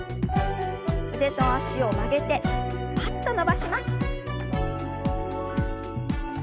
腕と脚を曲げてパッと伸ばします。